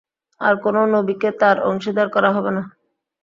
আর কোন নবীকে তার অংশীদার করা হবে না।